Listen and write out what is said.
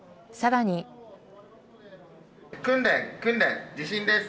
訓練、訓練、地震です。